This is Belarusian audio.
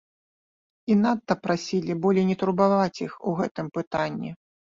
І надта прасілі болей не турбаваць іх у гэтым пытанні.